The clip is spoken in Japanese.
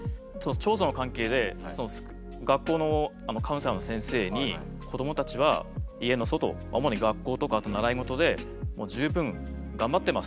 長女の関係で学校のカウンセラーの先生に「子どもたちは家の外主に学校とか習い事でもう十分頑張ってます」と。